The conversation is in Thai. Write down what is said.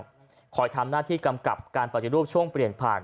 คอยทำหน้าที่กำกับการปฏิรูปช่วงเปลี่ยนผ่าน